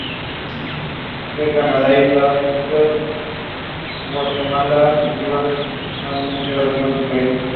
S. Canadá y Estados Unidos a Guatemala; cultivadas comúnmente en otros países.